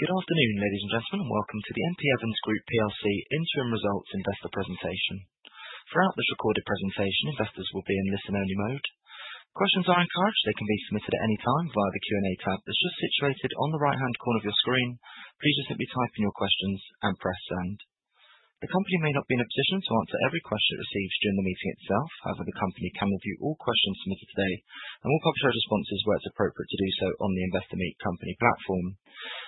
Good afternoon, ladies and gentlemen, and welcome to the M.P. Evans Group PLC Interim Results Investor Presentation. Throughout this recorded presentation, investors will be in listen-only mode. Questions are encouraged. They can be submitted at any time via the Q&A tab that's just situated on the right-hand corner of your screen. Please just simply type in your questions and press send. The company may not be in a position to answer every question it receives during the meeting itself. However, the company can review all questions submitted today and will publish our responses where it's appropriate to do so on the Investor Meet Company platform.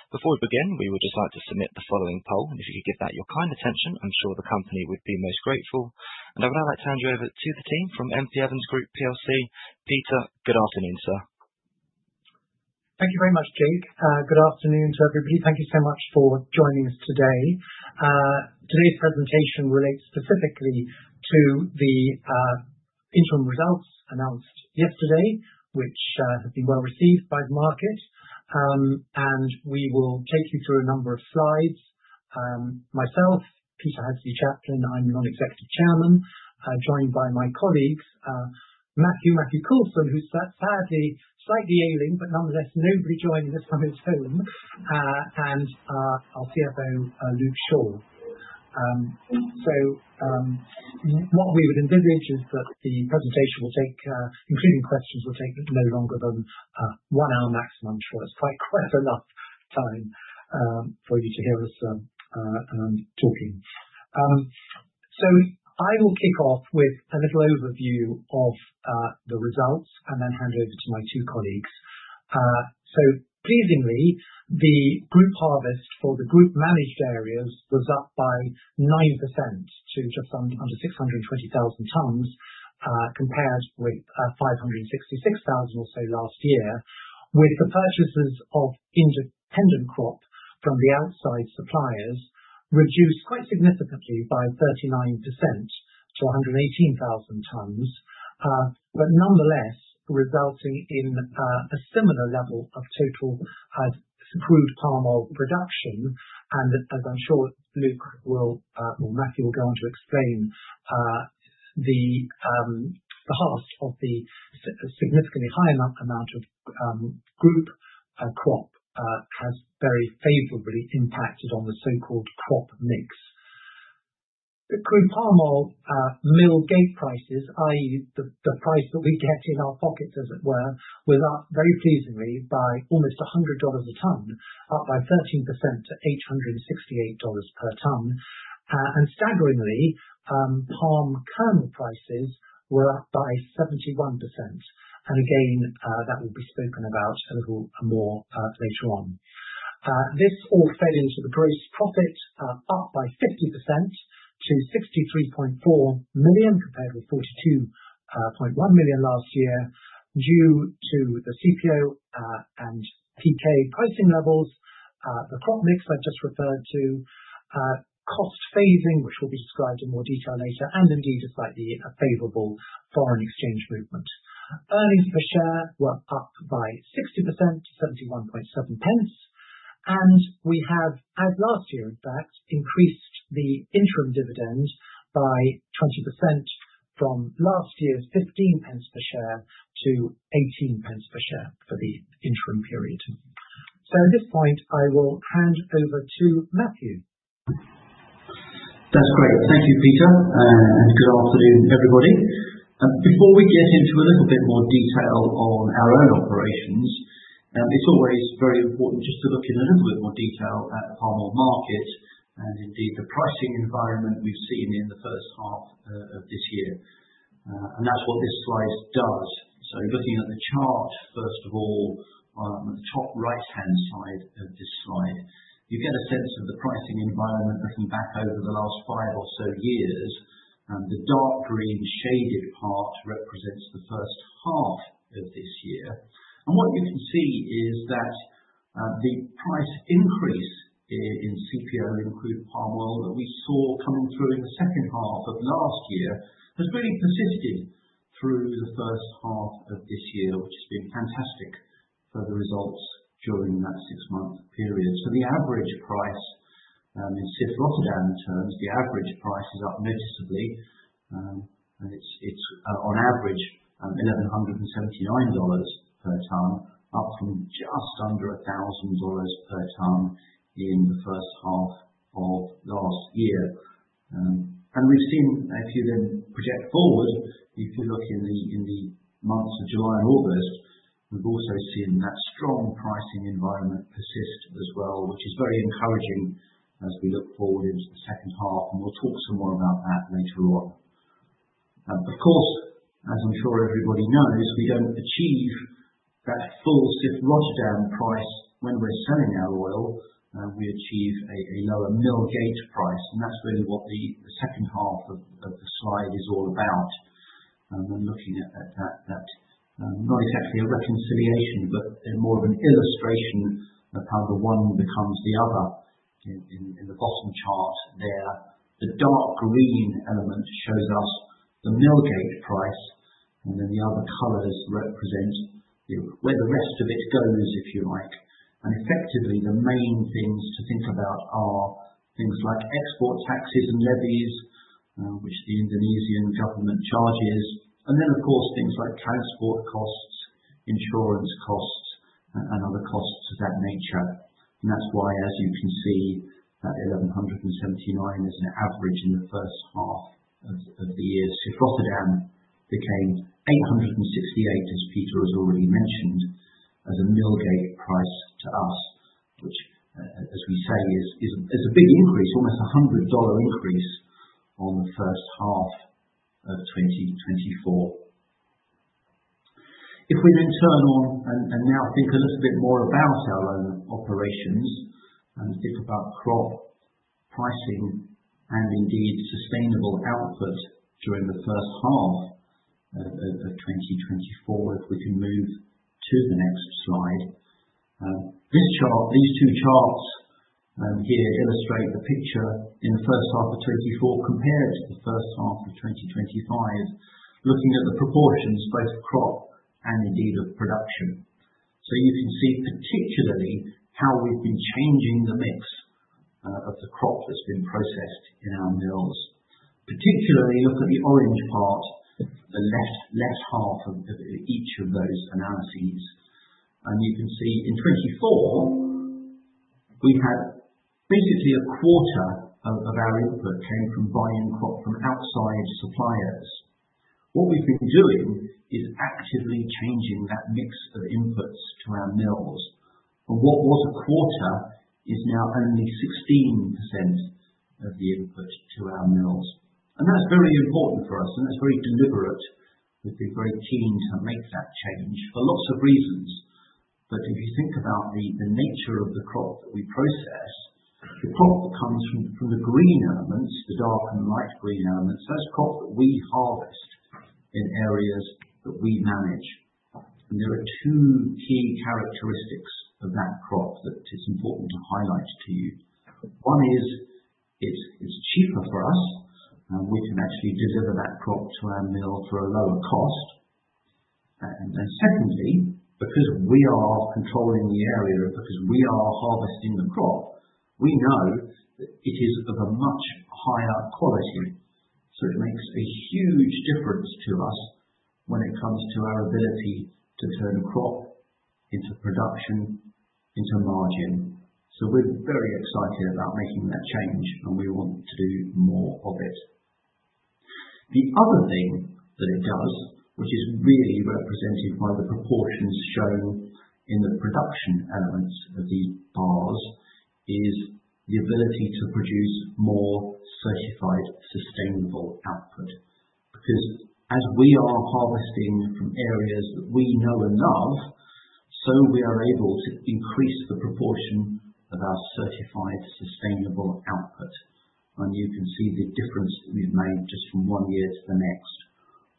Before we begin, we would just like to submit the following poll, and if you could give that your kind attention, I'm sure the company would be most grateful. I would now like to hand you over to the team from M.P. Evans Group PLC. Peter, good afternoon, sir. Thank you very much, Jake. Good afternoon to everybody. Thank you so much for joining us today. Today's presentation relates specifically to the interim results announced yesterday, which have been well received by the market. We will take you through a number of slides. Myself, Peter Hadsley-Chaplin, I'm the Non-Executive Chairman. I'm joined by my colleagues, Matthew Coulson, who's sadly, slightly ailing, but nonetheless, nobly joining us from his home, and our CFO, Luke Shaw. What we would envisage is that the presentation will take, including questions, no longer than one hour maximum. Sure. It's quite enough time for you to hear us talking. So I will kick off with a little overview of the results and then hand over to my two colleagues. So pleasingly, the group harvest for the group managed areas was up by 9% to just under 620,000 tonnes compared with 566,000 or so last year, with the purchases of independent crop from the outside suppliers reduced quite significantly by 39% to 118,000 tonnes. But nonetheless, resulting in a similar level of total crude palm oil production. And as I'm sure Luke will or Matthew will go on to explain, the harvest of the significantly higher amount of group crop has very favorably impacted on the so-called crop mix. The crude palm oil mill gate prices, i.e., the price that we get in our pockets, as it were, were up very pleasingly by almost $100 a tonne, up by 13% to $868 per tonne. Staggeringly, palm kernel prices were up by 71%. And again, that will be spoken about a little more later on. This all feeds into the gross profit, up by 50% to $63.4 million, compared with $42.1 million last year, due to the CPO and PK pricing levels. The crop mix I just referred to, cost phasing, which will be described in more detail later, and indeed, a slightly favorable foreign exchange movement. Earnings per share were up by 60% to 71.7 pence. We have, as last year, in fact, increased the interim dividend by 20% from last year's 15 pence per share to 18 pence per share for the interim period. At this point, I will hand over to Matthew. That's great. Thank you, Peter, and good afternoon, everybody. Before we get into a little bit more detail on our own operations, it's always very important just to look in a little bit more detail at palm oil market and indeed, the pricing environment we've seen in the first half of this year. And that's what this slide does. So looking at the chart, first of all, on the top right-hand side of this slide, you get a sense of the pricing environment looking back over the last five or so years. And the dark green shaded part represents the first half of this year. What you can see is that the price increase in CPO and crude palm oil that we saw coming through in the second half of last year has really persisted through the first half of this year, which has been fantastic for the results during that six-month period. So the average price in CIF Rotterdam terms, the average price is up noticeably. And it's on average $1,179 per tonne, up from just under $1,000 per tonne in the first half of last year. And we've seen, if you then project forward, if you look in the months of July and August, we've also seen that strong pricing environment persist as well, which is very encouraging as we look forward into the second half. And we'll talk some more about that later on. Of course, as I'm sure everybody knows, we don't achieve that full CIF Rotterdam price when we're selling our oil. We achieve a lower mill gate price, and that's really what the second half of the slide is all about. And we're looking at that, not exactly a reconciliation, but in more of an illustration of how the one becomes the other. In the bottom chart there, the dark green element shows us the mill gate price, and then the other colors represent where the rest of it goes, if you like. And effectively, the main things to think about are things like export taxes and levies, which the Indonesian government charges, and then, of course, things like transport costs, insurance costs, and other costs of that nature. And that's why, as you can see, that 1,179 is an average in the first half of the year. So Rotterdam became $868, as Peter has already mentioned, as a mill gate price to us, which, as we say, is, it's a big increase, almost a $100 increase on the first half of 2024. If we then turn on, and now think a little bit more about our own operations, and think about crop pricing, and indeed, sustainable output during the first half of 2024. If we can move to the next slide. This chart, these two charts, here, illustrate the picture in the first half of 2024 compared to the first half of 2025. Looking at the proportions, both crop and indeed, of production. So you can see particularly how we've been changing the mix of the crop that's been processed in our mills. Particularly, look at the orange part, the left half of each of those analyses, and you can see in 2024, we had basically a quarter of our input came from buying crop from outside suppliers. What we've been doing is actively changing that mix of inputs to our mills. From what was a quarter, is now only 16% of the input to our mills. And that's very important for us, and it's very deliberate. We've been very keen to make that change for lots of reasons. But if you think about the nature of the crop that we process, the crop that comes from the green elements, the dark and light green elements, so that's crop that we harvest in areas that we manage. And there are two key characteristics of that crop, that it is important to highlight to you. One is, it's cheaper for us, and we can actually deliver that crop to our mill for a lower cost. And secondly, because we are controlling the area, because we are harvesting the crop, we know that it is of a much higher quality. So it makes a huge difference to us when it comes to our ability to turn crop into production, into margin. So we're very excited about making that change, and we want to do more of it. The other thing that it does, which is really represented by the proportions shown in the production elements of the bars, is the ability to produce more certified, sustainable output. Because as we are harvesting from areas that we know and love, so we are able to increase the proportion of our certified sustainable output. And you can see the difference that we've made just from one year to the next.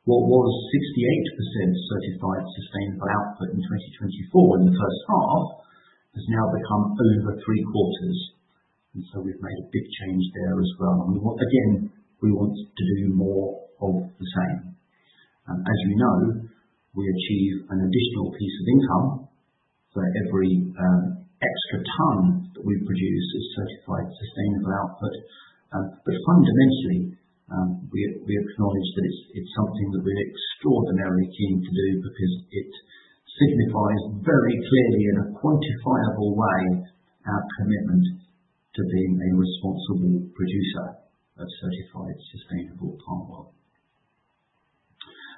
What was 68% certified sustainable output in 2024, in the first half, has now become over three-quarters, and so we've made a big change there as well. And we want... again, we want to do more of the same. And as you know, we achieve an additional piece of income for every extra tonne that we produce as certified sustainable output. But fundamentally, we acknowledge that it's something that we're extraordinarily keen to do, because it signifies very clearly in a quantifiable way, our commitment to being a responsible producer of certified sustainable palm oil.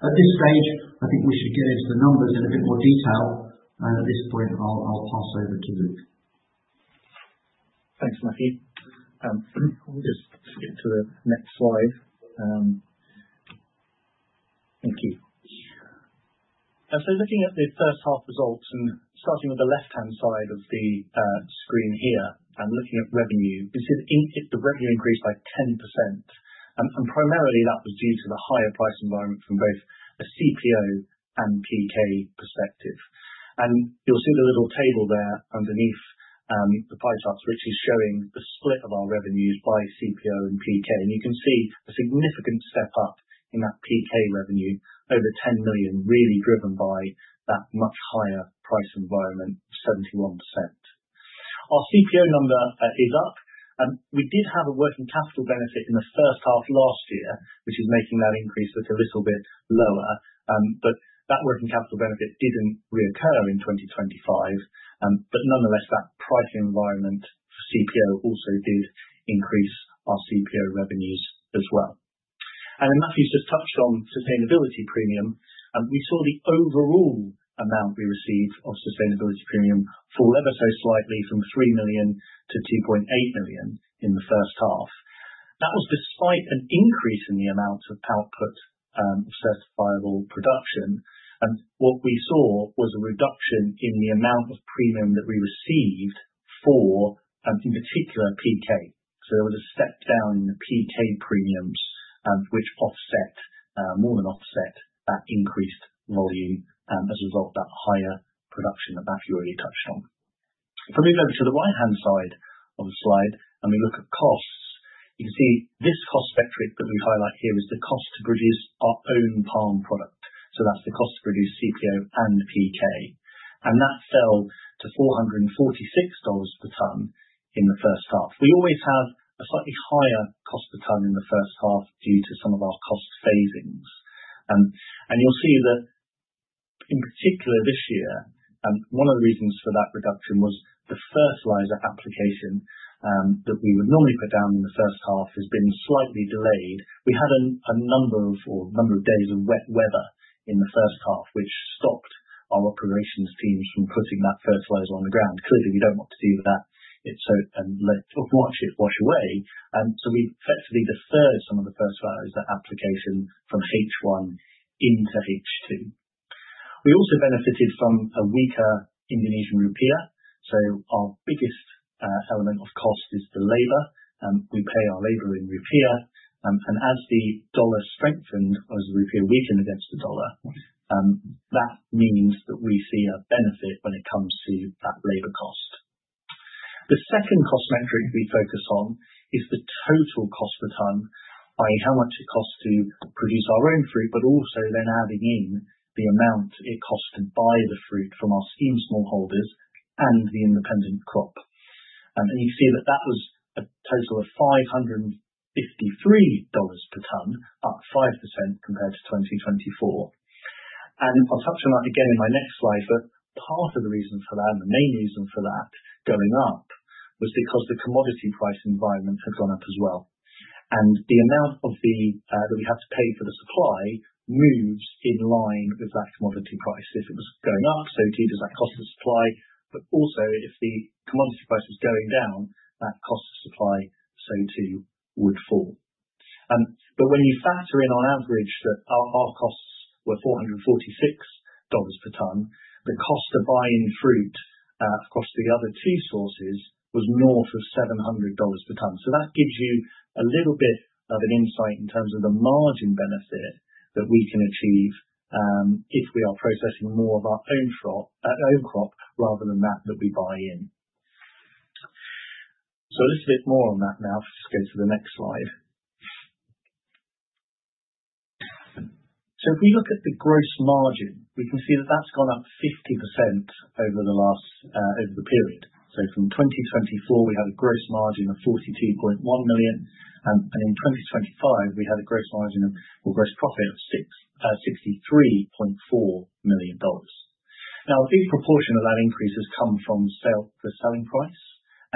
At this stage, I think we should get into the numbers in a bit more detail, and at this point, I'll pass over to Luke. Thanks, Matthew. We'll just skip to the next slide. Thank you. And so looking at the first half results, and starting with the left-hand side of the screen here, and looking at revenue, you can see the revenue increased by 10%, and primarily that was due to the higher price environment from both a CPO and PK perspective. And you'll see the little table there underneath the pie charts, which is showing the split of our revenues by CPO and PK. And you can see a significant step up in that PK revenue, over $10+ million, really driven by that much higher price environment of 71%. Our CPO number is up, we did have a working capital benefit in the first half of last year, which is making that increase look a little bit lower. But that working capital benefit didn't reoccur in 2025, but nonetheless, that pricing environment for CPO also did increase our CPO revenues as well. Matthew's just touched on sustainability premium, and we saw the overall amount we received of sustainability premium fall ever so slightly from $3 million to $2.8 million in the first half. That was despite an increase in the amount of output, certifiable production. What we saw was a reduction in the amount of premium that we received for, in particular, PK. So there was a step down in the PK premiums, which offset, more than offset that increased volume, as a result of that higher production that Matthew already touched on. If I move over to the right-hand side of the slide, and we look at costs, you can see this cost metric that we highlight here, is the cost to produce our own palm product. So that's the cost to produce CPO and PK, and that fell to $446 per tonne, in the first half. We always have a slightly higher cost per tonne on in the first half, due to some of our cost phasings. And you'll see that, in particular this year, and one of the reasons for that reduction, was the fertilizer application, that we would normally put down in the first half, has been slightly delayed. We had a number of days of wet weather in the first half, which stopped our operations teams from putting that fertilizer on the ground. Clearly, we don't want to do that, it's so let it wash away, so we effectively deferred some of the fertilizer application from H1 into H2. We also benefited from a weaker Indonesian rupiah. So our biggest element of cost is the labor, we pay our labor in rupiah, and as the dollar strengthened, as the rupiah weakened against the dollar, that means that we see a benefit when it comes to that labor cost. The second cost metric we focus on is the total cost per tonne, by how much it costs to produce our own fruit, but also then adding in the amount it costs to buy the fruit from our scheme smallholders, and the independent crop. You see that that was a total of $553 per tonne, up 5% compared to 2024. I'll touch on that again in my next slide, but part of the reason for that, and the main reason for that going up, was because the commodity price environment had gone up as well. And the amount of the, that we have to pay for the supply, moves in line with that commodity price. If it was going up, so too does that cost of supply, but also, if the commodity price is going down, that cost of supply, so too, would fall. But when you factor in on average, that our, our costs were $446 per tonne, the cost of buying fruit, across the other two sources, was north of $700 per tonne. So that gives you a little bit of an insight, in terms of the margin benefit that we can achieve, if we are processing more of our own crop, rather than that, that we buy in. So a little bit more on that now. Just go to the next slide. So if we look at the gross margin, we can see that that's gone up 50% over the last, over the period. So from 2024, we had a gross margin of $42.1 million, and in 2025, we had a gross margin of, or gross profit of $63.4 million. Now, a big proportion of that increase has come from sales, the selling price,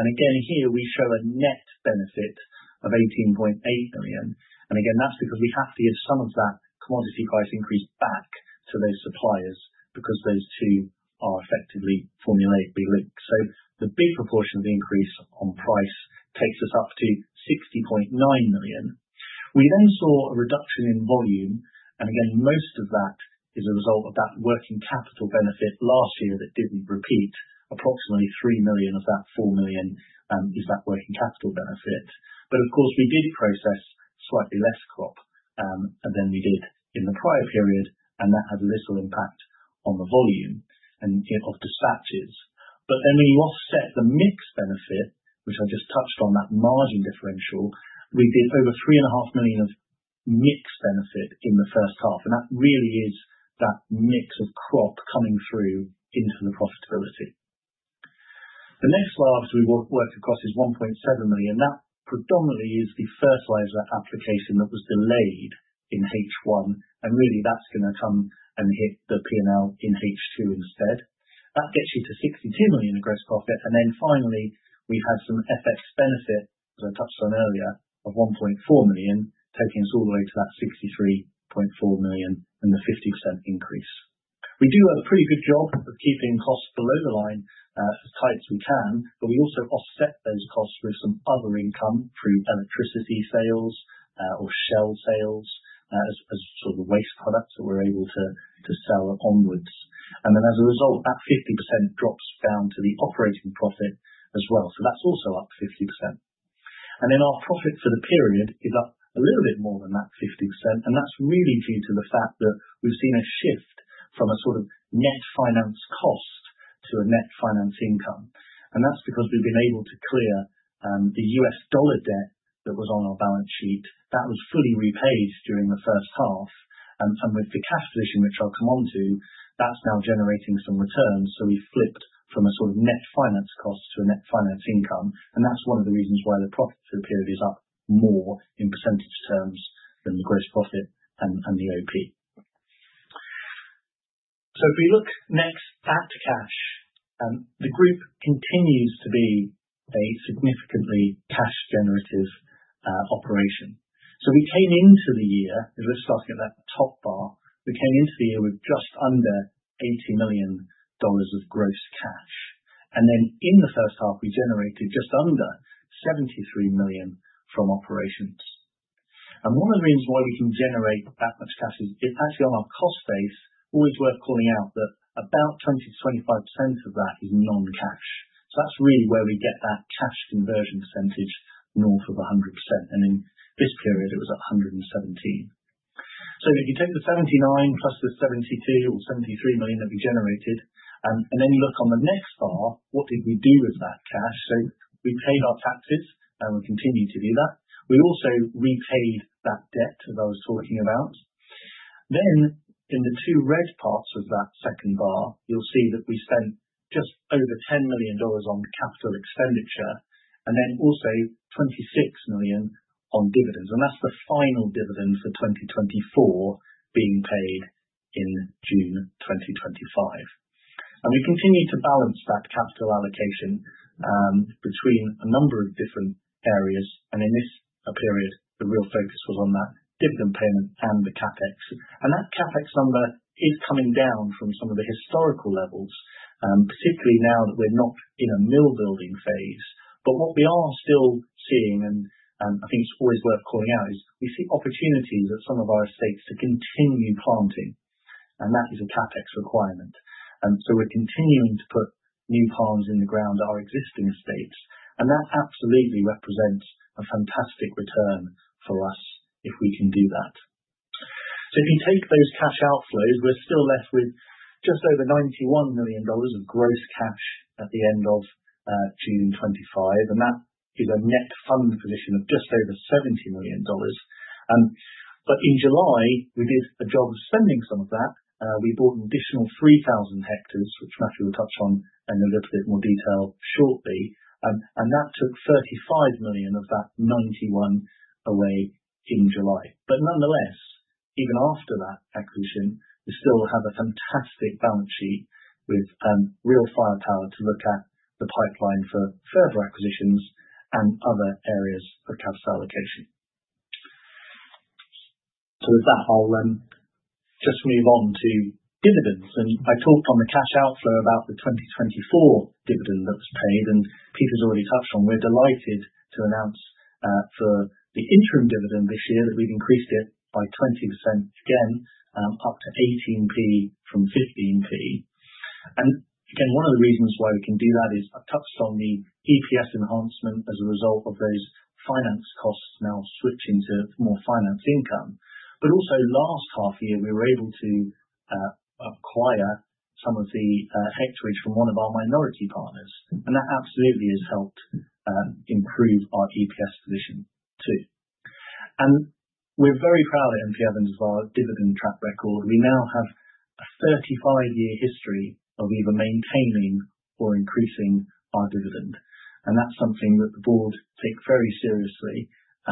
and again, here we show a net benefit of $18.8 million, and again, that's because we have to give some of that commodity price increase back to those suppliers, because those two are effectively formulated to be linked. So the big proportion of the increase on price takes us up to $60.9 million. We then saw a reduction in volume, and again, most of that is a result of that working capital benefit last year that didn't repeat. Approximately $3 million of that $4 million is that working capital benefit. But of course, we did process slightly less crop than we did in the prior period, and that had little impact on the volume and, you know, of dispatches. But then we offset the mix benefit, which I just touched on, that margin differential, we did over $3.5 million of mix benefit in the first half, and that really is that mix of crop coming through into the profitability. The next slide, after we worked across, is $1.7 million. That predominantly is the fertilizer application that was delayed in H1, and really that's gonna come and hit the PNL in H2 instead. That gets you to $62 million in gross profit, and then finally, we've had some FX benefit, as I touched on earlier, of $1.4 million, taking us all the way to that $63.4 million, and the 50% increase. We do a pretty good job of keeping costs below the line as tight as we can, but we also offset those costs with some other income, through electricity sales or shell sales, as sort of waste products that we're able to sell onwards. And then as a result, that 50% drops down to the operating profit as well. So that's also up 50%. And then our profit for the period is up a little bit more than that 50%, and that's really due to the fact that we've seen a shift from a sort of net finance cost to a net finance income. And that's because we've been able to clear the US dollar debt that was on our balance sheet. That was fully repaid during the first half, and, and with the cash position, which I'll come on to, that's now generating some returns. So we've flipped from a sort of net finance cost to a net finance income, and that's one of the reasons why the profit for the period is up more in percentage terms than the gross profit and, and the OP. So if we look next at cash, the group continues to be a significantly cash generative operation. So we came into the year, if we just look at that top bar, we came into the year with just under $80 million of gross cash, and then in the first half, we generated just under $73 million from operations. One of the reasons why we can generate that much cash is, it actually on our cost base, always worth calling out, that about 20%-25% of that is non-cash. So that's really where we get that cash conversion percentage north of 100%, and in this period, it was at 117. So if you take the 79, plus the $72 million or $73 million that we generated, and then you look on the next bar, what did we do with that cash? So we paid our taxes, and we continue to do that. We also repaid that debt that I was talking about. Then, in the two red parts of that second bar, you'll see that we spent just over $10 million on capital expenditure, and then also $26 million on dividends, and that's the final dividend for 2024, being paid in June 2025. We continue to balance that capital allocation between a number of different areas, and in this period, the real focus was on that dividend payment and the CapEx. That CapEx number is coming down from some of the historical levels, particularly now that we're not in a mill building phase. But what we are still seeing, and, and I think it's always worth calling out, is we see opportunities at some of our estates to continue planting, and that is a CapEx requirement. So we're continuing to put new palms in the ground at our existing estates, and that absolutely represents a fantastic return for us, if we can do that. So if you take those cash outflows, we're still left with just over $91 million of gross cash at the end of June 2025, and that is a net fund position of just over $70 million. But in July, we did a job of spending some of that. We bought an additional 3,000 hectares, which Matthew will touch on in a little bit more detail shortly. That took $35 million of that $91 million away in July. But nonetheless, even after that acquisition, we still have a fantastic balance sheet, with real firepower to look at the pipeline for further acquisitions and other areas of capital allocation. With that, I'll just move on to dividends. I talked on the cash outflow about the 2024 dividend that was paid, and Peter's already touched on. We're delighted to announce, for the interim dividend this year, that we've increased it by 20% again, up to 18p from 15p. And again, one of the reasons why we can do that is, I've touched on the EPS enhancement as a result of those finance costs now switching to more finance income. But also last half year, we were able to acquire some of the hectares from one of our minority partners, and that absolutely has helped improve our EPS position too. And we're very proud at M.P. Evans of our dividend track record. We now have a 35-year history of either maintaining or increasing our dividend, and that's something that the board take very seriously,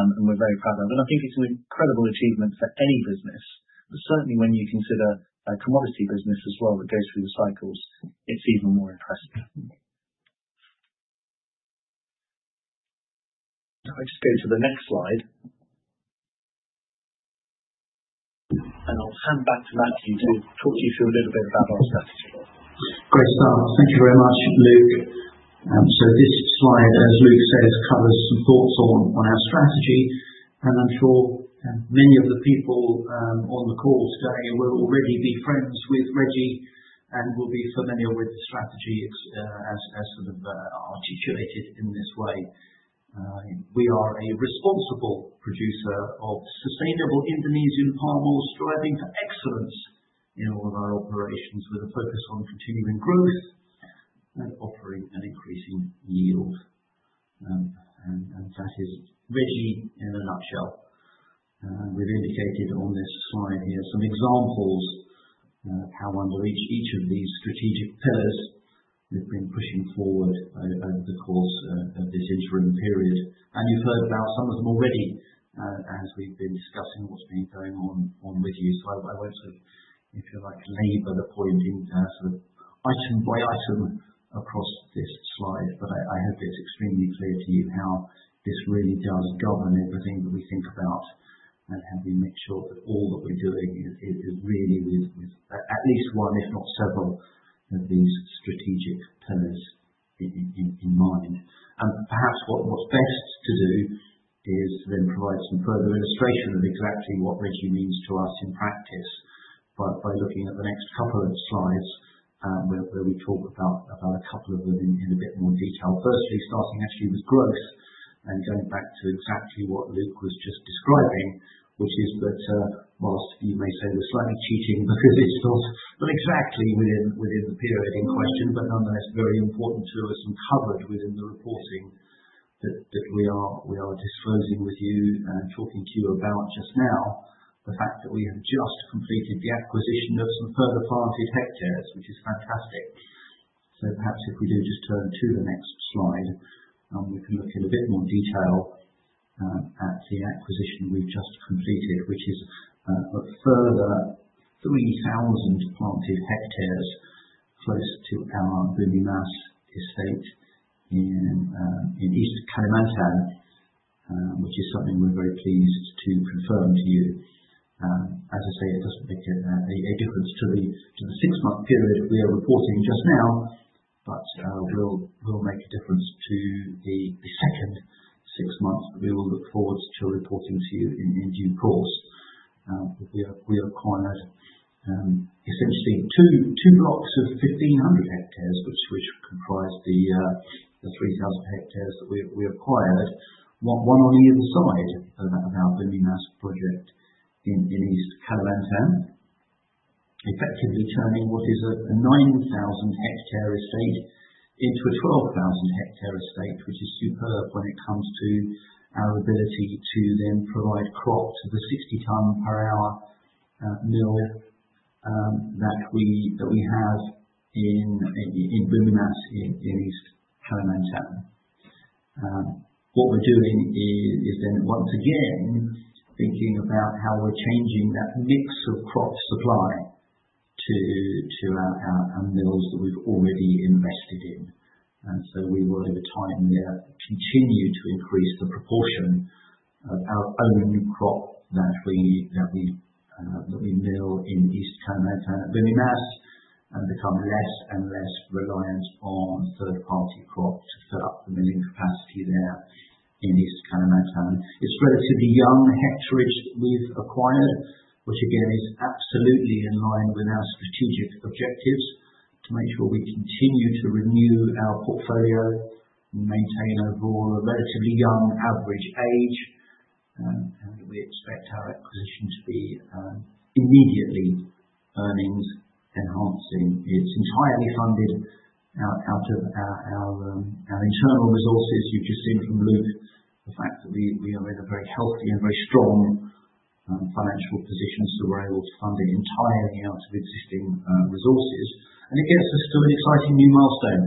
and we're very proud of. I think it's an incredible achievement for any business, but certainly when you consider a commodity business as well, that goes through the cycles, it's even more impressive. Can I just go to the next slide? I'll hand back to Matthew, to talk to you through a little bit about our strategy. Great start. Thank you very much, Luke. So this slide, as Luke says, covers some thoughts on our strategy. And I'm sure many of the people on the call today will already be friends with REGI, and will be familiar with the strategy as, as sort of, articulated in this way. We are a responsible producer of sustainable Indonesian palm oil, striving for excellence in all of our operations, with a focus on continuing growth and offering an increasing yield. And that is REGI in a nutshell. We've indicated on this slide here some examples how under each of these strategic pillars we've been pushing forward over the course of this interim period. And you've heard about some of them already as we've been discussing what's been going on with you. So I won't, if you like, labor the point in sort of item by item across this slide, but I hope it's extremely clear to you how this really does govern everything that we think about, and we make sure that all that we're doing is really with at least one, if not several, of these strategic pillars in mind. And perhaps what's best to do is then provide some further illustration of exactly what REGI means to us in practice, by looking at the next couple of slides, where we talk about a couple of them in a bit more detail. Firstly, starting actually with growth, and going back to exactly what Luke was just describing, which is that, whilst you may say we're slightly cheating, because it's not exactly within the period in question, but nonetheless, very important to us and covered within the reporting that we are disclosing with you, and talking to you about just now. The fact that we have just completed the acquisition of some further planted hectares, which is fantastic. So perhaps if we do just turn to the next slide, we can look in a bit more detail at the acquisition we've just completed. Which is a further 3,000 planted hectares close to our Bumi Mas estate in East Kalimantan, which is something we're very pleased to confirm to you. As I say, it doesn't make a difference to the six-month period we are reporting just now, but will make a difference to the second six months. We will look forward to reporting to you in due course. We acquired essentially two blocks of 1,500 hectares, which comprise the 3,000 hectares that we acquired. One on either side of our Bumi Mas project in East Kalimantan, effectively turning what is a 9,000-hectare estate into a 12,000-hectare estate, which is superb when it comes to our ability to then provide crop to the 60-tonne-per-hour mill that we have in Bumi Mas, in East Kalimantan. What we're doing is then once again thinking about how we're changing that mix of crop supply to our mills that we've already invested in. And so we will, over time there, continue to increase the proportion of our own crop that we mill in East Kalimantan at Bumi Mas, and become less and less reliant on third party crops to fill up the milling capacity there in East Kalimantan. It's relatively young hectarage we've acquired, which again is absolutely in line with our strategic objectives to make sure we continue to renew our portfolio and maintain overall a relatively young average age. And we expect our acquisition to be immediately earnings enhancing. It's entirely funded out of our internal resources. You've just seen from Luke, the fact that we are in a very healthy and very strong financial position, so we're able to fund it entirely out of existing resources. It gets us to an exciting new milestone.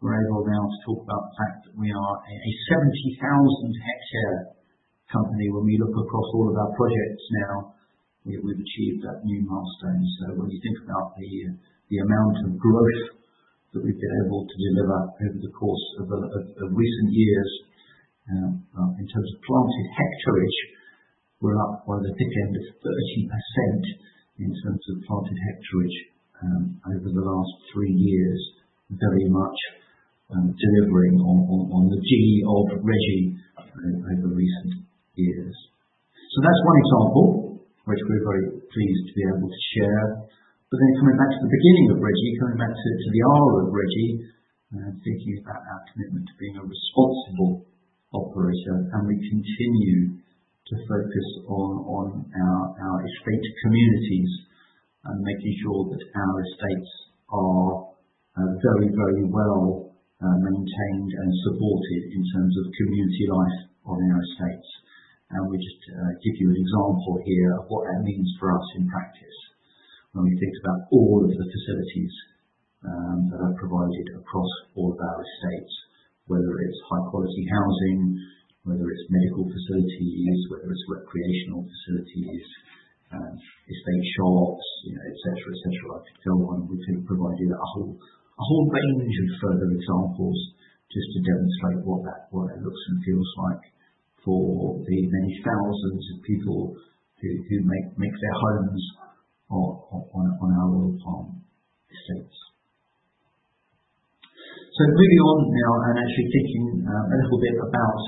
We're able now to talk about the fact that we are a 70,000-hectare company. When we look across all of our projects now, we've achieved that new milestone. When you think about the amount of growth that we've been able to deliver over the course of recent years, in terms of planted hectarage, we're up by the thick end of 13% in terms of planted hectarage, over the last three years, very much delivering on the G of REGI, over recent years. So that's one example, which we're very pleased to be able to share. But then coming back to the beginning of REGI, coming back to the R of REGI, thinking about our commitment to being a responsible operator, and we continue to focus on our estate communities, and making sure that our estates are very, very well maintained and supported in terms of community life on our estates. And we just give you an example here of what that means for us in practice. When we think about all of the facilities that are provided across all of our estates, whether it's high quality housing, whether it's medical facilities, whether it's recreational facilities, estate shops, you know, et cetera, et cetera. I could go on and on providing you a whole range of further examples, just to demonstrate what it looks and feels like for the many thousands of people who make their homes on our oil palm estates. So moving on now, and actually thinking a little bit about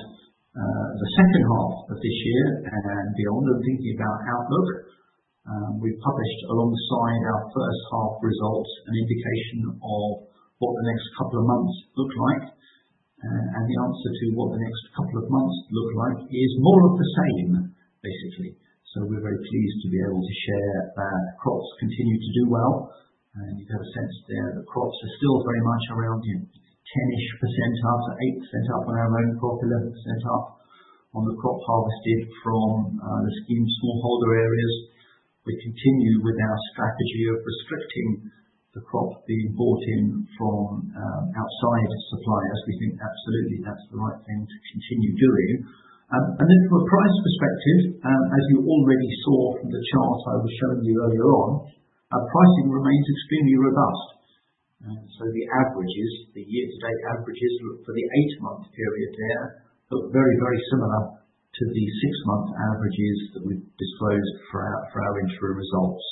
the second half of this year and beyond, and thinking about outlook. We've published alongside our first half results, an indication of what the next couple of months look like. And the answer to what the next couple of months look like is more of the same, basically. So we're very pleased to be able to share that crops continue to do well. You get a sense there, the crops are still very much around 10-ish% up, or 8% up on our own crop, 11% up on the crop harvested from the scheme smallholder areas. We continue with our strategy of restricting the crop being bought in from outside suppliers. We think absolutely that's the right thing to continue doing. And then from a price perspective, as you already saw from the chart I was showing you earlier on, our pricing remains extremely robust. So the averages, the year-to-date averages for the 8-month period there, look very, very similar to the 6-month averages that we've disclosed for our interim results.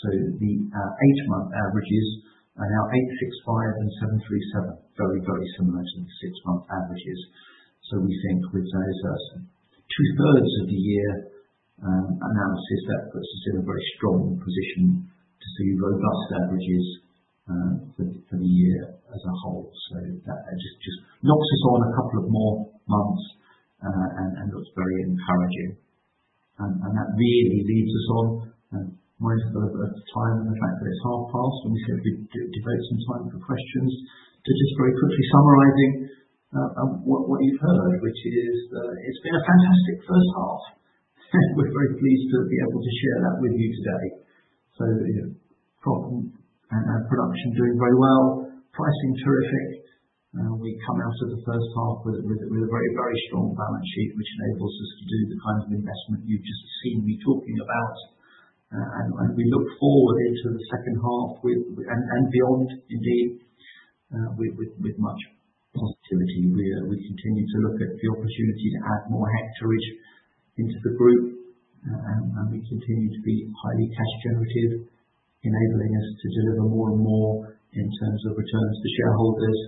So the 8-month averages are now $865 and $737. Very, very similar to the 6-month averages. So we think with those two-thirds of the year analysis, that puts us in a very strong position to see robust averages for the year as a whole. So that just knocks us on a couple of more months and looks very encouraging. And that really leaves us on, we're at the time. In fact, it's half past. We're just going to take some time for questions. So just very quickly summarizing what you've heard, which is that it's been a fantastic first half. We're very pleased to be able to share that with you today. So, you know, crop and our production doing very well, pricing terrific, we've come out of the first half with a, with a very, very strong balance sheet, which enables us to do the kinds of investment you've just seen me talking about. And we look forward into the second half with... and beyond, indeed, with much positivity. We continue to look at the opportunity to add more hectarage into the group, and we continue to be highly cash generative, enabling us to deliver more and more in terms of returns to shareholders,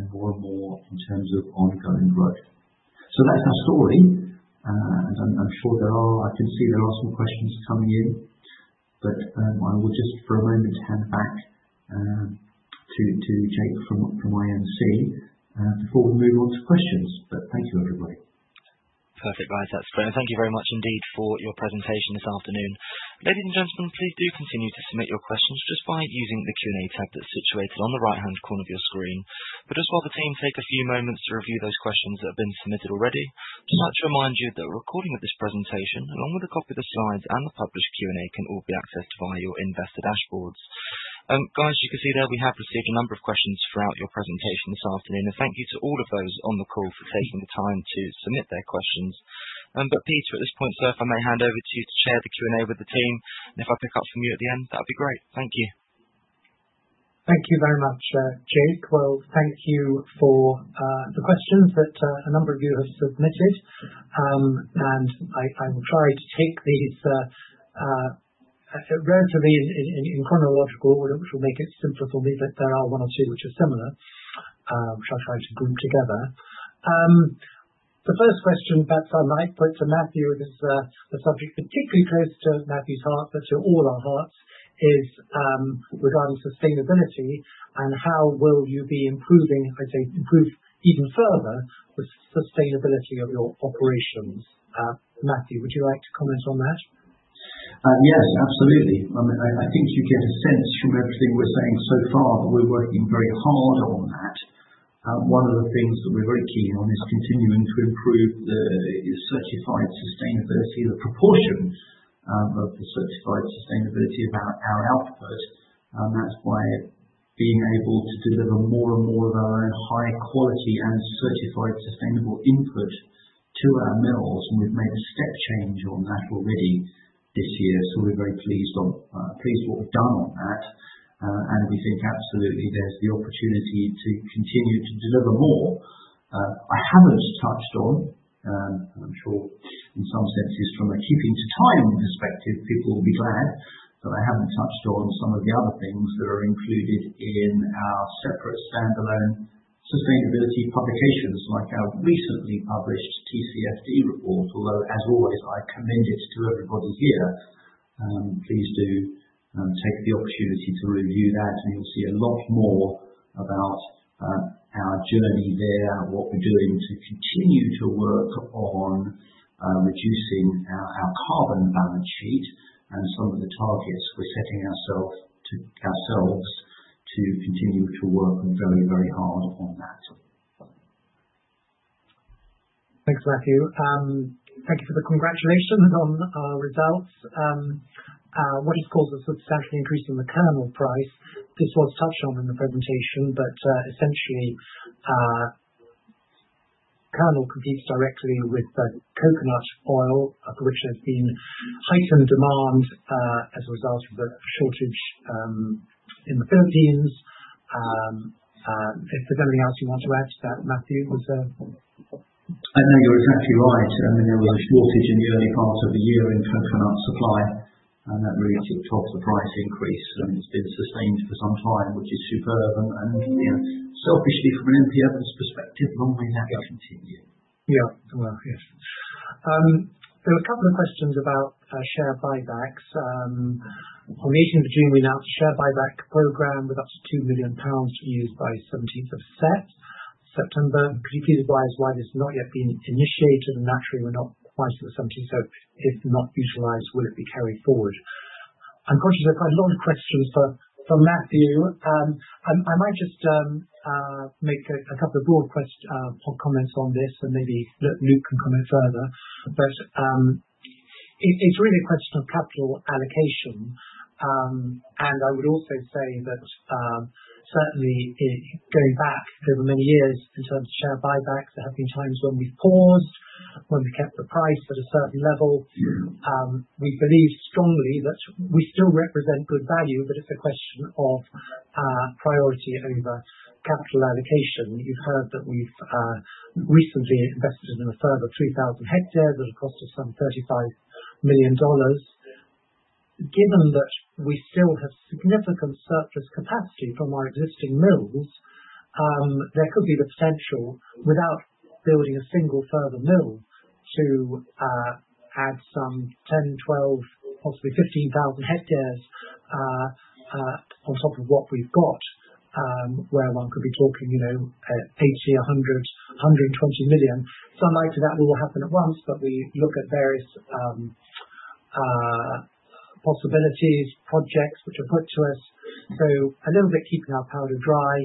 and more and more in terms of ongoing growth. So that's our story. I'm sure there are. I can see there are some questions coming in, but I will just for a moment hand back to Jake from IMC before we move on to questions. But thank you, everybody. Perfect, guys, that's great, and thank you very much indeed for your presentation this afternoon. Ladies and gentlemen, please do continue to submit your questions just by using the Q&A tab that's situated on the right-hand corner of your screen. But just while the team take a few moments to review those questions that have been submitted already, just like to remind you that a recording of this presentation, along with a copy of the slides and the published Q&A, can all be accessed via your investor dashboards. Guys, you can see there, we have received a number of questions throughout your presentation this afternoon, and thank you to all of those on the call for taking the time to submit their questions. But, Peter, at this point, sir, if I may hand over to you to share the Q&A with the team, and if I pick up from you at the end, that'd be great. Thank you. Thank you very much, Jake. Well, thank you for the questions that a number of you have submitted. And I will try to take these relatively in chronological order, which will make it simpler for me, but there are one or two which are similar, which I'll try to group together. The first question perhaps I might put to Matthew, it is a subject particularly close to Matthew's heart, but to all our hearts, is regarding sustainability, and how will you be improving, I'd say, improve even further, the sustainability of your operations. Matthew, would you like to comment on that? Yes, absolutely. I think you get a sense from everything we're saying so far, that we're working very hard on that. One of the things that we're very keen on is continuing to improve the certified sustainability, the proportion of the certified sustainability of our output. And that's why being able to deliver more and more of our own high quality and certified sustainable input to our mills, and we've made a step change on that already this year. So we're very pleased with what we've done on that. And we think absolutely there's the opportunity to continue to deliver more. I haven't touched on, I'm sure in some senses, from a keeping to time perspective, people will be glad that I haven't touched on some of the other things that are included in our separate standalone sustainability publications, like our recently published TCFD report. Although, as always, I commend it to everybody here, please do take the opportunity to review that, and you'll see a lot more about our journey there, what we're doing to continue to work on reducing our carbon balance sheet, and some of the targets we're setting ourselves to continue to work very, very hard on that. Thanks, Matthew. Thank you for the congratulations on our results. What has caused a substantial increase in the kernel price? This was touched on in the presentation, but, essentially, kernel competes directly with the coconut oil, for which there's been heightened demand, as a result of a shortage, in the Philippines. If there's anything else you want to add to that, Matthew, or sir? I know you're exactly right. I mean, there was a shortage in the early part of the year in coconut supply, and that really drove the price increase, and it's been sustained for some time, which is superb. And, and, you know, selfishly, from an M.P. Evans perspective, long may that continue. Yeah. Well, yes. There were a couple of questions about share buybacks. On the eighteenth of June, we announced a share buyback program with up to 2 million pounds to be used by seventeenth of September. Could you please advise why this has not yet been initiated? And naturally, we're not quite to the seventeenth, so if not utilized, will it be carried forward? Unfortunately, there are quite a lot of questions for Matthew. I might just make a couple of broad questions or comments on this, and maybe let Luke comment further. But, it's really a question of capital allocation. And I would also say that, certainly, in going back over many years in terms of share buybacks, there have been times when we paused, when we kept the price at a certain level. We believe strongly that we still represent good value, but it's a question of priority over capital allocation. You've heard that we've recently invested in a further 3,000 hectares at a cost of some $35 million. Given that we still have significant surplus capacity from our existing mills, there could be the potential, without building a single further mill, to add some 10, 12, possibly 15,000 hectares, on top of what we've got, where one could be talking, you know, $80 million-$120 million. It's unlikely that will happen at once, but we look at various possibilities, projects which are put to us, so a little bit keeping our powder dry,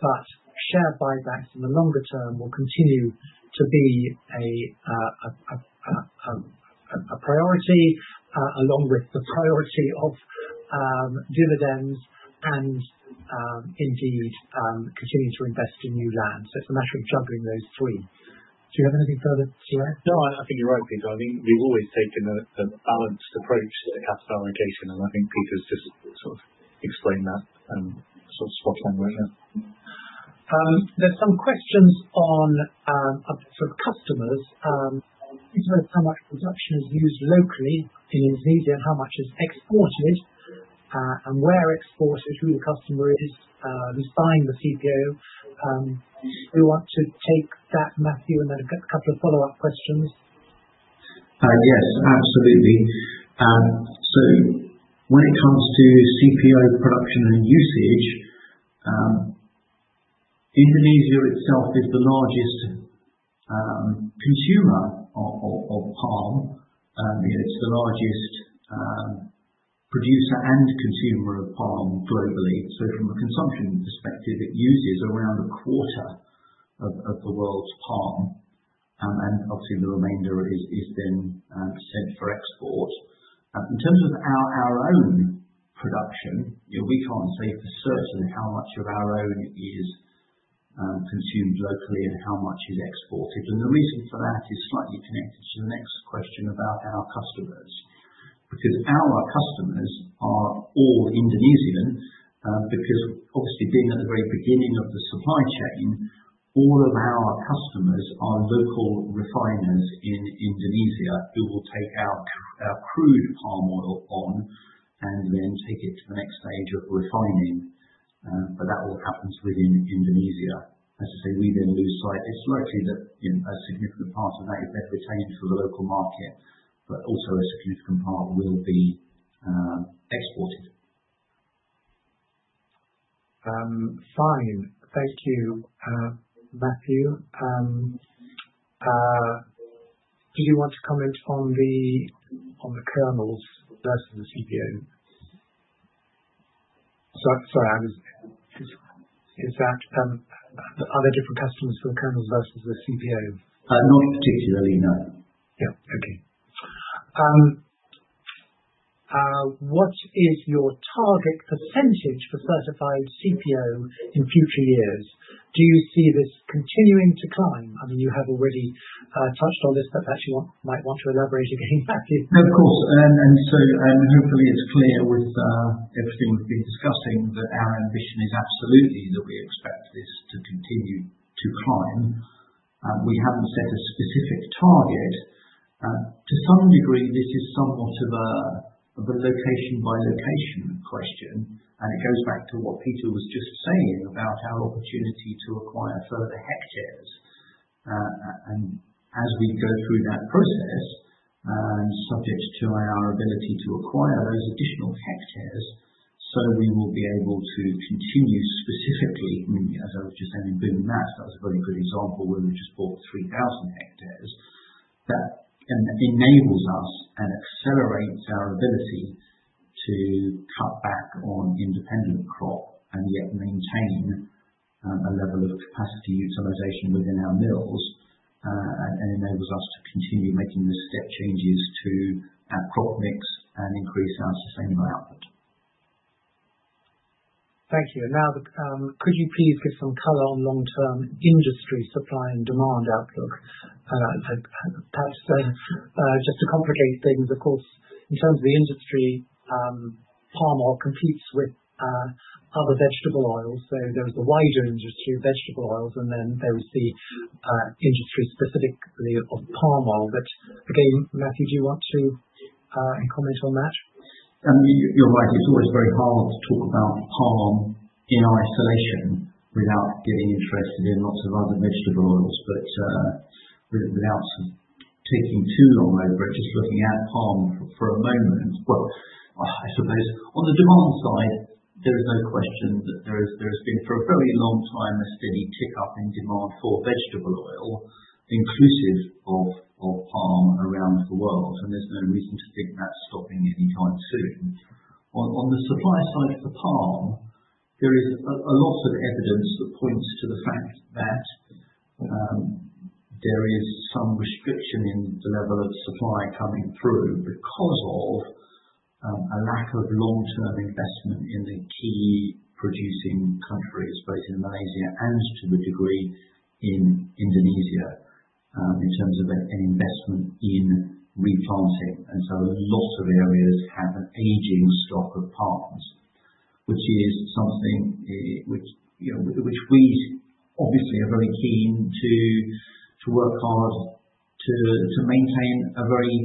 but share buybacks in the longer term will continue to be a priority, along with the priority of dividends and indeed continuing to invest in new land. So it's a matter of juggling those three. Do you have anything further to add? No, I think you're right, Peter. I think we've always taken a balanced approach to capital allocation, and I think Peter's just sort of explained that, so spot on with that. There's some questions on sort of customers. In terms of how much production is used locally in Indonesia and how much is exported, and where exported, who the customer is, who's buying the CPO. Do you want to take that, Matthew, and then a couple of follow-up questions? Yes, absolutely. So when it comes to CPO production and usage, Indonesia itself is the largest consumer of palm. It is the largest producer and consumer of palm globally. So from a consumption perspective, it uses around a quarter of the world's palm. And then, obviously the remainder is then sent for export. In terms of our own production, you know, we can't say for certain how much of our own is consumed locally, and how much is exported. And the reason for that is slightly connected to the next question about our customers. Because our customers are all Indonesian, because obviously being at the very beginning of the supply chain, all of our customers are local refiners in Indonesia, who will take our crude palm oil on, and then take it to the next stage of refining. But that all happens within Indonesia. As I say, we then lose sight. It's likely that, you know, a significant part of that is then retained for the local market, but also a significant part will be exported. Fine. Thank you, Matthew. Do you want to comment on the kernels versus the CPO? So sorry, are there different customers for the kernels versus the CPO? Not particularly, no. Yeah. Okay. What is your target percentage for certified CPO in future years? Do you see this continuing to climb? I mean, you have already touched on this, but might want to elaborate again, actually. No, of course. And so, and hopefully it's clear with everything we've been discussing, that our ambition is absolutely that we expect this to continue to climb. We haven't set a specific target. To some degree this is somewhat of a, of a location by location question, and it goes back to what Peter was just saying about our opportunity to acquire further hectares. And as we go through that process, and subject to our ability to acquire those additional hectares, so we will be able to continue specifically, I mean, as I was just saying, Bumi Mas, that was a very good example, where we just bought 3,000 hectares. That enables us, and accelerates our ability to cut back on independent crop, and yet maintain a level of capacity utilization within our mills. And enables us to continue making the step changes to our crop mix, and increase our sustainable output. Thank you. Now, could you please give some color on long-term industry supply and demand outlook? Perhaps, just to complicate things, of course, in terms of the industry, palm oil competes with other vegetable oils. So there is a wider industry of vegetable oils, and then there is the industry specifically of palm oil. But again, Matthew, do you want to comment on that? You're right. It's always very hard to talk about palm in isolation, without getting interested in lots of other vegetable oils. But without taking too long over it, just looking at palm for a moment. Well, I suppose on the demand side, there is no question that there is, there has been for a very long time, a steady tick up in demand for vegetable oil, inclusive of palm around the world, and there's no reason to think that's stopping anytime soon. On the supply side for palm, there is a lot of evidence that points to the fact that there is some restriction in the level of supply coming through, because of a lack of long-term investment in the key producing countries, both in Malaysia and to a degree in Indonesia, in terms of an investment in replanting. A lot of areas have an aging stock of palms, which is something which, you know, we obviously are very keen to work on, to maintain a very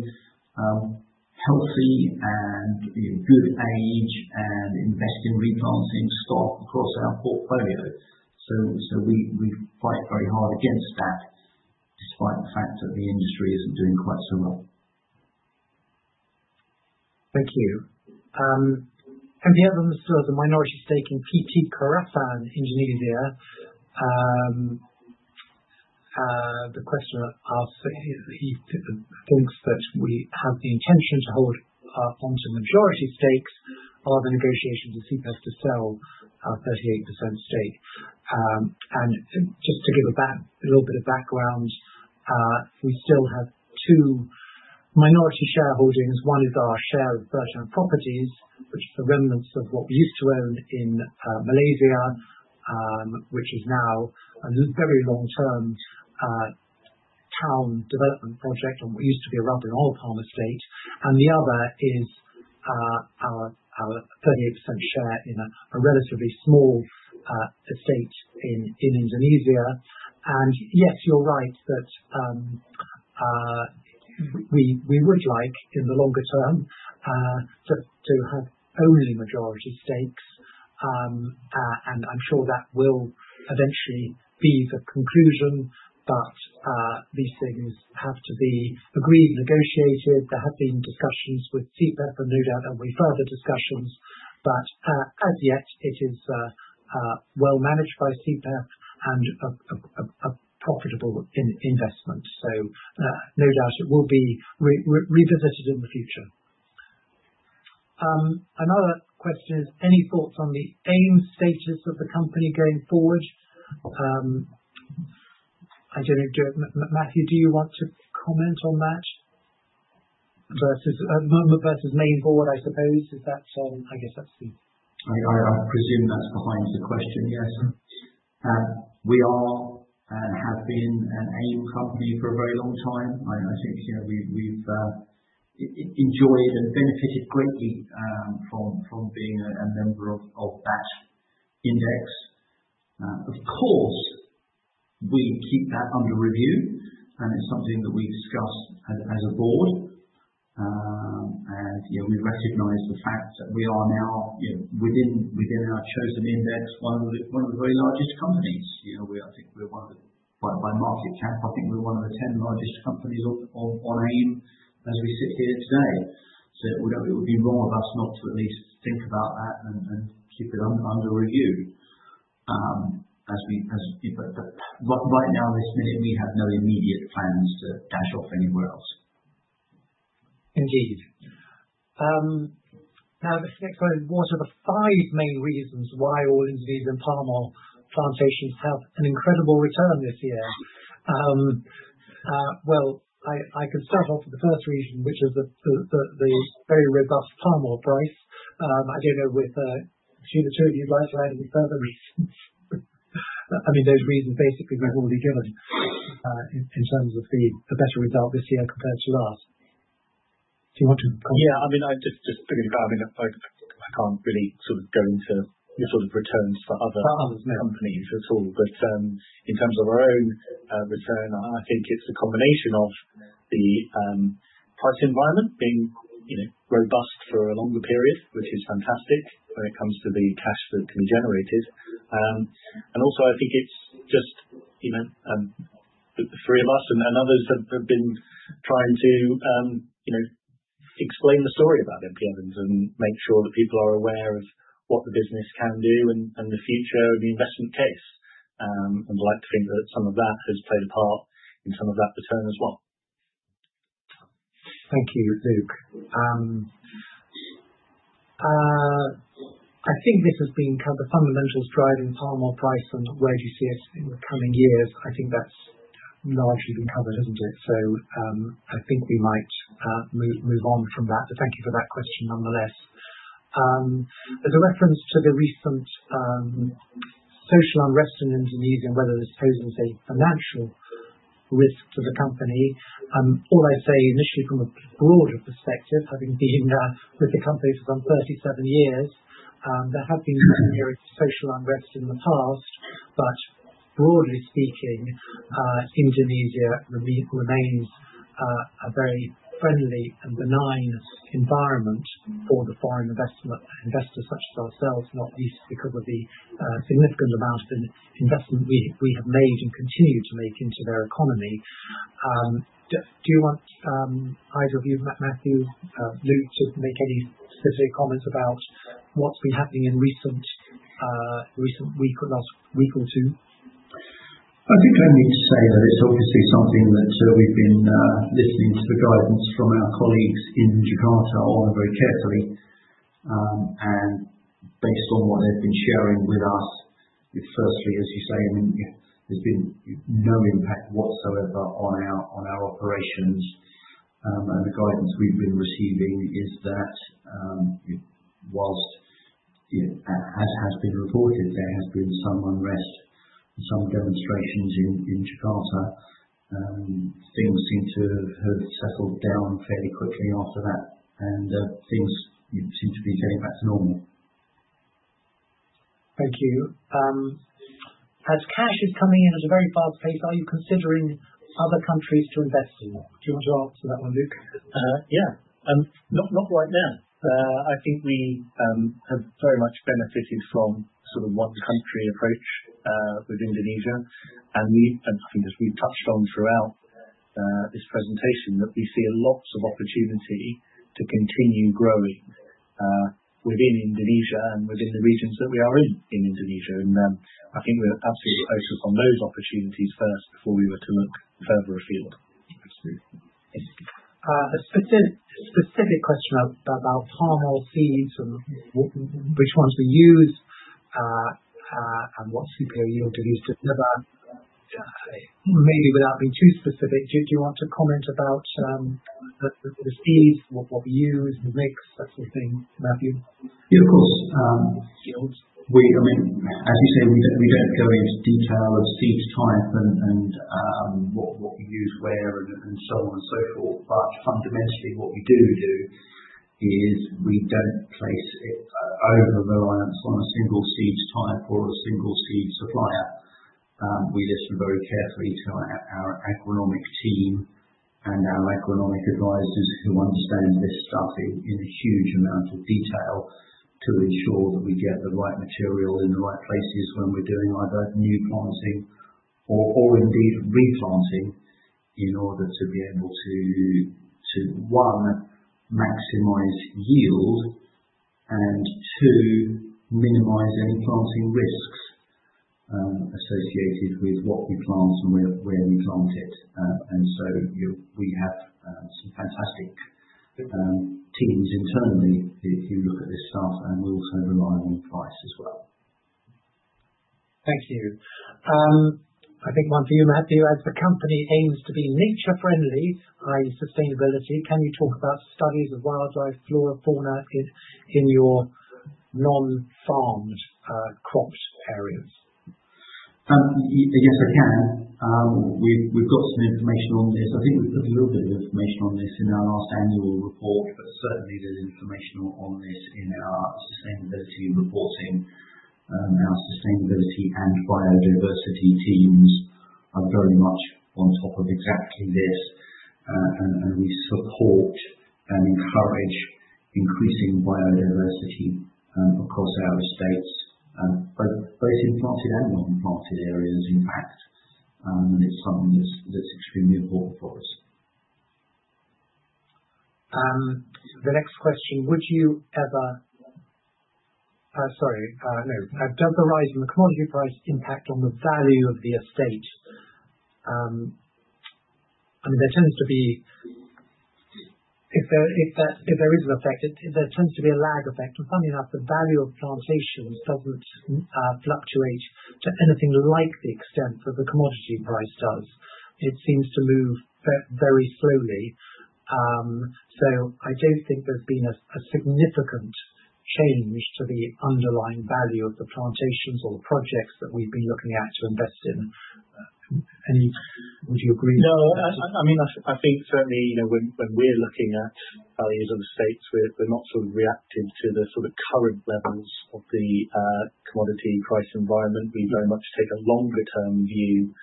healthy and, you know, good age, and invest in replanting stock across our portfolio. So we fight very hard against that, despite the fact that the industry isn't doing quite so much. Thank you. And the other one, so the minority stake in PT Kerasaan Indonesia, the questioner asks, he thinks that we have the intention to hold on to majority stakes. Are the negotiations with SIPEF to sell our 38% stake? And just to give a little bit of background, we still have two minority shareholdings. One is our share of Bertam Properties, which is the remnants of what we used to own in Malaysia, which is now a very long-term town development project on what used to be a rubber oil palm estate. And the other is our 38% share in a relatively small estate in Indonesia. And yes, you're right, that we would like, in the longer term, to have only majority stakes. I'm sure that will eventually be the conclusion, but these things have to be agreed, negotiated. There have been discussions with SIPEF, and no doubt there'll be further discussions, but as yet, it is well managed by SIPEF and a profitable investment. So no doubt it will be revisited in the future. Another question is, any thoughts on the AIM status of the company going forward? I don't know, do you, Matthew, do you want to comment on that, versus main board, I suppose, is that on... I guess that's the- I presume that's behind the question, yes. We are, and have been, an AIM company for a very long time, and I think, you know, we've enjoyed and benefited greatly from being a member of that index. Of course, we keep that under review, and it's something that we discuss as a board. And, you know, we recognize the fact that we are now, you know, within our chosen index, one of the very largest companies. You know, I think we're one of the... By market cap, I think we're one of the 10 largest companies on AIM, as we sit here today. So it would be wrong of us not to at least think about that and keep it under review. But right now, this minute, we have no immediate plans to dash off anywhere else. Indeed. Now, the next one, what are the five main reasons why all Indonesia palm oil plantations have an incredible return this year? Well, I can start off with the first reason, which is the very robust palm oil price. I don't know whether either two of you would like to add any further reasons? I mean, those reasons basically we've already given in terms of the better result this year compared to last. Do you want to comment? Yeah, I mean, I just thinking about it, I mean, I can't really sort of go into the sort of returns for other- For others, no. companies at all. But, in terms of our own return, I think it's a combination of the price environment being, you know, robust for a longer period, which is fantastic when it comes to the cash that can be generated. And also, I think it's just, you know, the three of us and others have been trying to, you know, explain the story about M.P. Evans and make sure that people are aware of what the business can do and the future of the investment case. I'd like to think that some of that has played a part in some of that return as well. Thank you, Luke. I think this has been kind of the fundamentals driving palm oil price, and where do you see it in the coming years? I think that's largely been covered, hasn't it? So, I think we might move on from that. But thank you for that question, nonetheless. There's a reference to the recent social unrest in Indonesia, and whether this poses a financial risk to the company. All I say, initially from a broader perspective, having been with the company for some 37 years, there have been periods of social unrest in the past, but broadly speaking, Indonesia remains a very friendly and benign environment for the foreign investor, investors such as ourselves, not least because of the significant amount of investment we have made and continue to make into their economy. Do you want either of you, Matthew, Luke, just to make any specific comments about what's been happening in recent week or last week or two? I think I need to say that it's obviously something that we've been listening to the guidance from our colleagues in Jakarta on very carefully. And based on what they've been sharing with us, firstly, as you say, I mean, there's been no impact whatsoever on our operations. And the guidance we've been receiving is that, whilst you know, as has been reported, there has been some unrest and some demonstrations in Jakarta, things seem to have settled down fairly quickly after that, and things seem to be getting back to normal. Thank you. As cash is coming in at a very fast pace, are you considering other countries to invest in? Do you want to answer that one, Luke? Yeah. Not right now. I think we have very much benefited from sort of one country approach with Indonesia. And we, and I think as we've touched on throughout this presentation, that we see lots of opportunity to continue growing within Indonesia and within the regions that we are in, in Indonesia. And I think we're absolutely focused on those opportunities first, before we were to look further afield. Let's see. A specific question about about palm oil seeds and which ones to use, and what superior yield do you deliver? Maybe without being too specific, do you want to comment about the seeds, what we use, the mix, that sort of thing, Matthew? Yeah, of course. I mean, as you say, we don't go into detail of seed type and what we use where, and so on and so forth. But fundamentally, what we do is we don't place it over a reliance on a single seed type or a single seed supplier. We listen very carefully to our agronomic team and our economic advisors, who understand this stuff in a huge amount of detail, to ensure that we get the right material in the right places when we're doing either new planting, or indeed replanting, in order to be able to one, maximize yield, and two, minimize any planting risks associated with what we plant and where we plant it. And so we have some fantastic teams internally, if you look at this stuff, and we also rely on advice as well. Thank you. I think one to you, Matthew. As the company aims to be nature friendly, i.e., sustainability, can you talk about studies of wildlife, flora, fauna in your non-farmed crops areas? Yes, I can. We've got some information on this. I think there's a little bit of information on this in our last annual report, but certainly there's information on this in our sustainability reporting. Our sustainability and biodiversity teams are very much on top of exactly this. And we support and encourage increasing biodiversity across our estates, both in planted and non-planted areas, in fact. And it's something that's extremely important for us. The next question: Does the rise in the commodity price impact on the value of the estate? And if there is an effect, there tends to be a lag effect. And funny enough, the value of plantations doesn't fluctuate to anything like the extent that the commodity price does. It seems to move very slowly. So I don't think there's been a significant change to the underlying value of the plantations or the projects that we've been looking at to invest in. Would you agree with that? No, I mean, I think certainly, you know, when we're looking at values of estates, we're not sort of reacting to the sort of current levels of the commodity price environment. We very much take a longer term view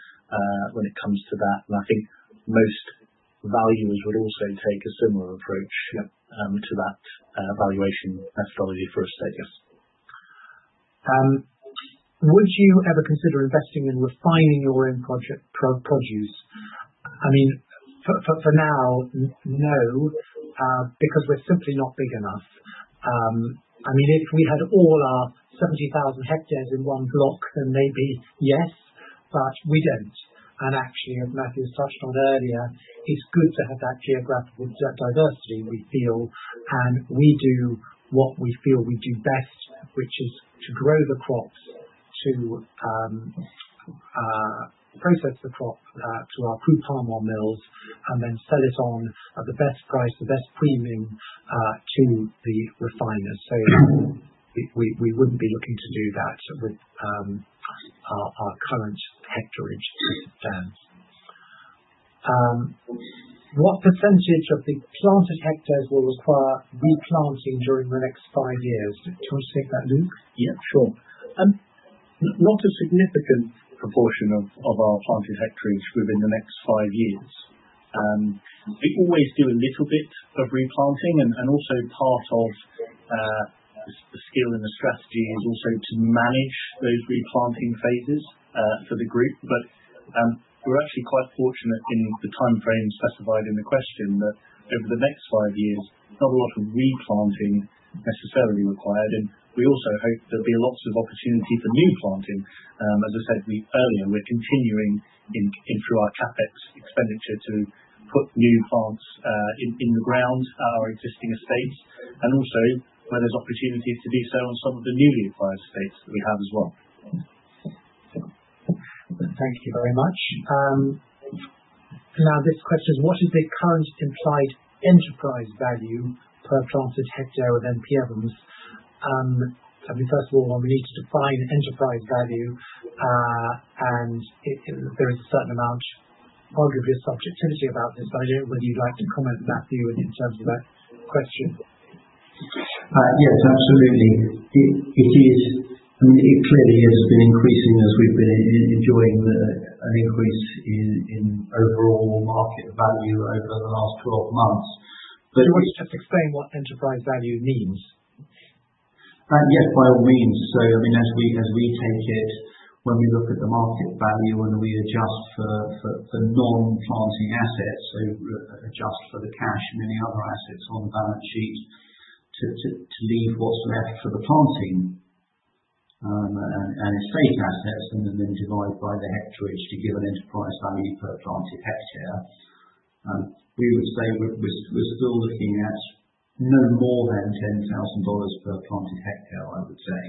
when it comes to that. I think most valuers would also take a similar approach. Yeah. to that, valuation methodology for estates. Would you ever consider investing in refining your own produce? I mean, for now, no, because we're simply not big enough. I mean, if we had all our 70,000 hectares in one block, then maybe, yes, but we don't. And actually, as Matthew touched on earlier, it's good to have that geographical diversity we feel, and we do what we feel we do best, which is to grow the crops, to process the crop to our crude palm oil mills, and then sell it on at the best price, the best premium to the refiners. So we wouldn't be looking to do that with our current hectarage. What percentage of the planted hectares will require replanting during the next five years? Do you want to take that, Luke? Yeah, sure. Not a significant proportion of our planted hectares within the next five years. We always do a little bit of replanting, and also part of the skill and the strategy is also to manage those replanting phases for the group. But, we're actually quite fortunate in the timeframe specified in the question, that over the next five years, not a lot of replanting necessarily required, and we also hope there'll be lots of opportunity for new planting. As I said earlier, we're continuing through our CapEx expenditure, to put new plants in the ground at our existing estates, and also where there's opportunities to do so on some of the newly acquired estates that we have as well. Thank you very much. Now this question: What is the current implied enterprise value per planted hectare with M.P. Evans? I mean, first of all, we need to define enterprise value, and there is a certain amount, arguably, of subjectivity about this. I don't know whether you'd like to comment, Matthew, in terms of that question. Yes, absolutely. It is, I mean, it clearly has been increasing as we've been enjoying an increase in overall market value over the last 12 months. But- Would you just explain what enterprise value means? Yes, by all means. So, I mean, as we take it, when we look at the market value, and we adjust for non-planting assets, so re-adjust for the cash and any other assets on the balance sheet, to leave what's left for the planting, and estate assets, and then divide by the hectarage to give an enterprise value per planted hectare. We would say we're still looking at no more than $10,000 per planted hectare, I would say,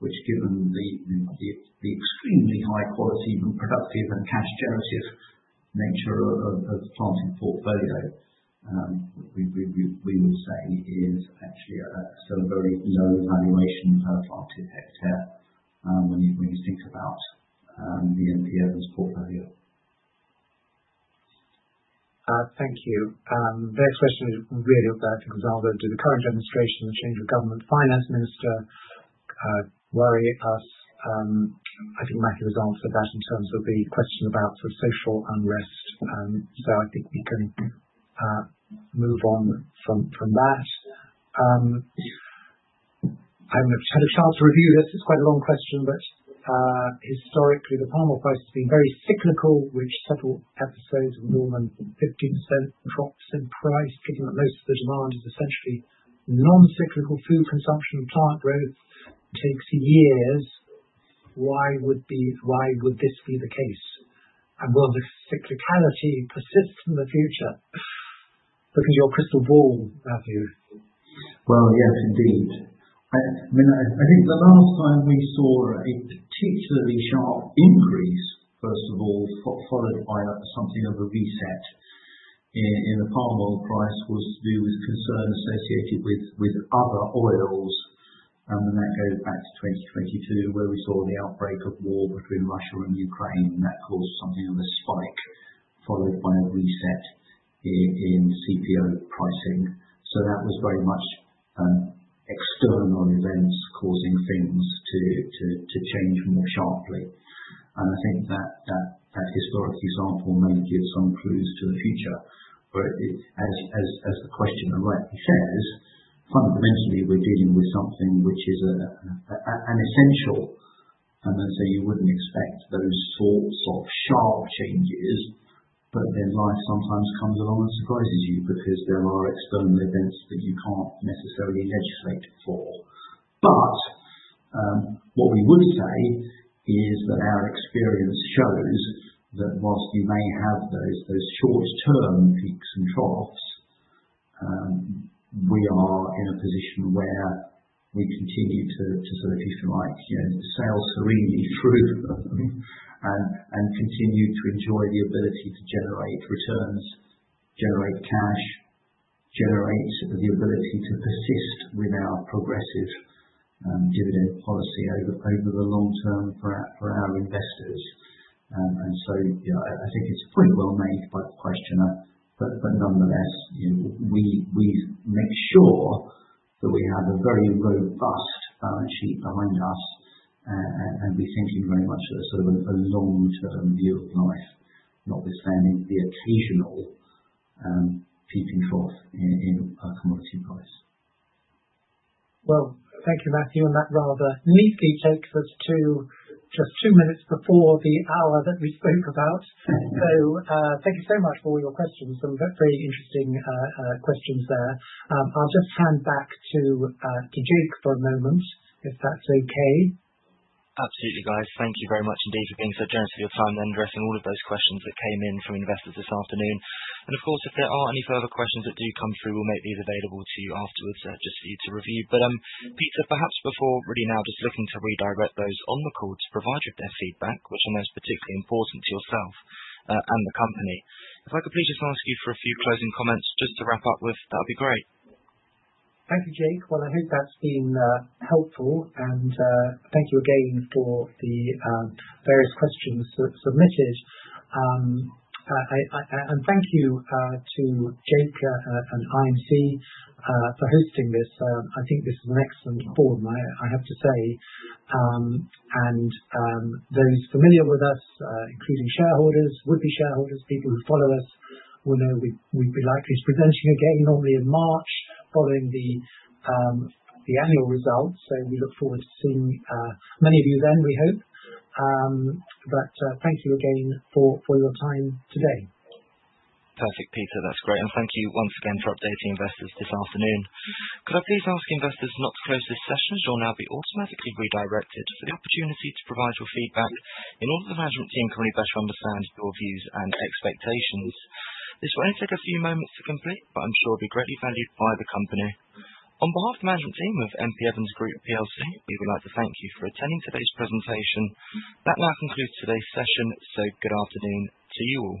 which given the extremely high quality and productive and cash generative nature of the planting portfolio, we would say is actually a still very low valuation per planted hectare, when you think about the M.P. Evans portfolio. Thank you. The next question is really about Prabowo. Do the current administration and change of government finance minister worry us? I think Matthew has answered that in terms of the question about the social unrest, so I think we can move on from that. If I haven't had a chance to review this. It's quite a long question, but historically, the palm oil price has been very cyclical, with several episodes of more than 50% drops in price, given that most of the demand is essentially non-cyclical food consumption and plant growth takes years, why would this be the case? And will the cyclicality persist in the future? Look at your crystal ball, Matthew. Well, yes, indeed. I mean, I think the last time we saw a particularly sharp increase, first of all, followed by something of a reset in the palm oil price, was to do with concerns associated with other oils. And that goes back to 2022, where we saw the outbreak of war between Russia and Ukraine, and that caused something of a spike, followed by a reset in CPO pricing. So that was very much external events causing things to change more sharply. And I think that historic example may give some clues to the future. But as the questioner rightly says, fundamentally, we're dealing with something which is an essential, and so you wouldn't expect those sorts of sharp changes, but then life sometimes comes along and surprises you, because there are external events that you can't necessarily legislate for. But what we would say is that our experience shows that while you may have those short-term peaks and troughs, we are in a position where we continue to sort of, if you like, you know, sail serenely through them and continue to enjoy the ability to generate returns, generate cash, generate the ability to persist with our progressive dividend policy over the long term for our investors. And so, yeah, I think it's a point well made by the questioner, but, but nonetheless, you know, we, we make sure that we have a very robust balance sheet behind us, and we think in very much a sort of a long-term view of life, notwithstanding the occasional, peak and trough in, in our commodity price. Well, thank you, Matthew, and that rather neatly takes us to just 2 minutes before the hour that we spoke about. Mm-hmm. So, thank you so much for all your questions, and they're very interesting questions there. I'll just hand back to Jake for a moment, if that's okay? Absolutely, guys. Thank you very much indeed for being so generous with your time and addressing all of those questions that came in from investors this afternoon. And of course, if there are any further questions that do come through, we'll make these available to you afterwards, just for you to review. But, Peter, perhaps before really now just looking to redirect those on the call to provide you their feedback, which I know is particularly important to yourself, and the company. If I could please just ask you for a few closing comments, just to wrap up with, that'd be great. Thank you, Jake. Well, I hope that's been helpful, and thank you again for the various questions that were submitted. And thank you to Jake and IMC for hosting this. I think this is an excellent forum, I have to say. And those familiar with us, including shareholders, would-be shareholders, people who follow us, will know we'd be likely to present here again normally in March, following the annual results. So we look forward to seeing many of you then, we hope. But thank you again for your time today. Perfect, Peter. That's great. Thank you once again for updating investors this afternoon. Could I please ask investors not to close this session, as you'll now be automatically redirected for the opportunity to provide your feedback, in order for the management team can better understand your views and expectations. This will only take a few moments to complete, but I'm sure it'll be greatly valued by the company. On behalf of the management team of M.P. Evans Group PLC, we would like to thank you for attending today's presentation. That now concludes today's session, so good afternoon to you all.